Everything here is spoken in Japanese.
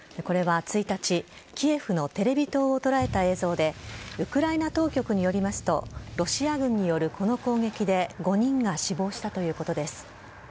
これは１日、キエフのテレビ塔を捉えた映像で、ウクライナ当局によりますと、ロシア軍によるこの攻撃で５人が死亡したということです。